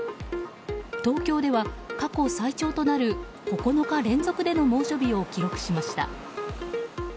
東京では過去最長となる９日連続での猛暑日を記録しました。